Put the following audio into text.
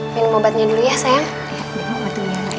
minum obatnya dulu ya sayang